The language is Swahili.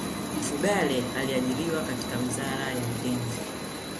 Mfugale aliajiriwa katika wizara ya ujenzi